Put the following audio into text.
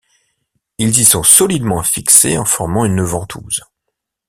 Ils y sont solidement fixés en formant une ventouse.